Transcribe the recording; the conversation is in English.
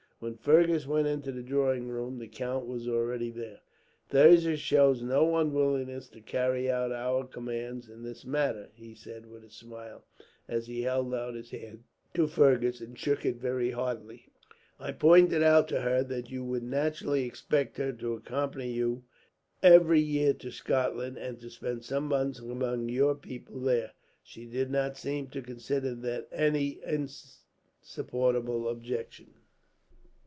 When Fergus went into the drawing room, the count was already there. "Thirza shows no unwillingness to carry out our commands in this matter," he said with a smile, as he held out his hand to Fergus and shook it very heartily. "I pointed out to her that you would naturally expect her to accompany you every year to Scotland, and to spend some months among your people there. She did not seem to consider that any insupportable objection.